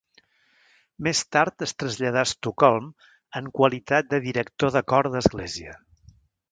Més tard es traslladà a Estocolm en qualitat de director de cor d'església.